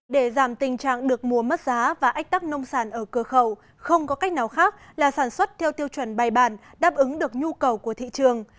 để giảm tình trạng được mua mất giá và ách tắc nông sản ở cửa khẩu không có cách nào khác là sản xuất theo tiêu chuẩn bài bản đáp ứng được nhu cầu của thị trường